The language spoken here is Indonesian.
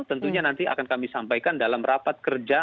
tentunya nanti akan kami sampaikan dalam rapat kerja